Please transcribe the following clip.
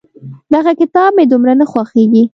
دغه کتاب مې دومره نه خوښېږي.